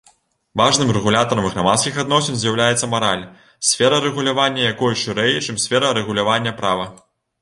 Важным рэгулятарам грамадскіх адносін з'яўляецца мараль, сфера рэгулявання якой шырэй, чым сфера рэгулявання права.